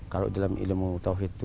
kalau dalam ilmu tawhid itu